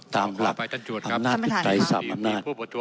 ตามหลักอำนาจกุศไตรศัพท์อำนาจ